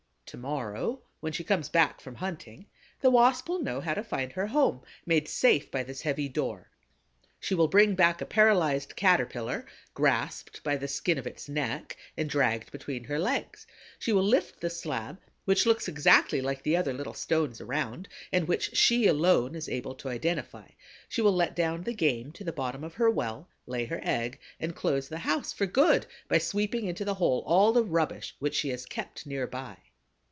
To morrow, when she comes back from hunting, the Wasp will know how to find her home, made safe by this heavy door; she will bring back a paralyzed caterpillar, grasped by the skin of its neck and dragged between her legs; she will lift the slab, which looks exactly like the other little stones around, and which she alone is able to identify; she will let down the game to the bottom of her well, lay her egg and close the house for good by sweeping into the hole all the rubbish, which she has kept near by.